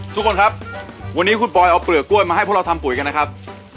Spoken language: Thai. ทุกคนครับวันนี้คุณปอยเอาเปลือกกล้วยมาให้พวกเราทำปุ๋ยกันนะครับ